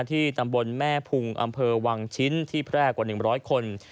ที่ตำบลแม่พุงอำเภอวังชิ้นที่แพร่กว่า๑๐๐คน